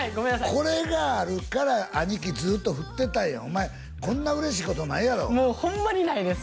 これがあるから兄貴ずっと振ってたんやお前こんな嬉しいことないやろもうホンマにないです